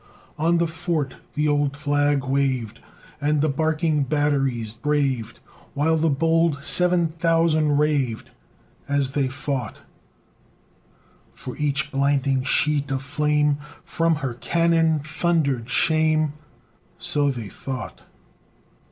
On the fort the old flag waved, And the barking batteries braved, While the bold seven thousand raved As they fought; For each blinding sheet of flame From her cannon thundered shame! So they thought.